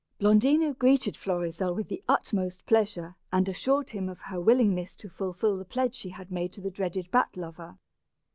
Blondina greeted Florizel with the utmost pleasure and assured him of her willingness to fulfil the pledge she had made to the dreaded bat lover.